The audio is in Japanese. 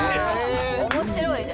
面白いね。